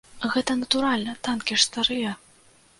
Гэта натуральна, танкі ж старыя.